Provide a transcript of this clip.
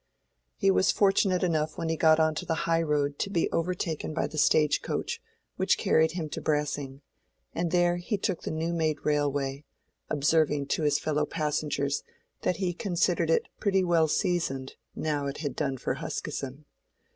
He was fortunate enough when he got on to the highroad to be overtaken by the stage coach, which carried him to Brassing; and there he took the new made railway, observing to his fellow passengers that he considered it pretty well seasoned now it had done for Huskisson.